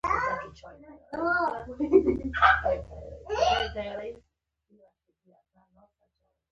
پکښې ورننوتم.